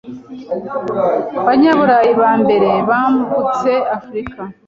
Banyaburayi ba mbere bambutse Afurika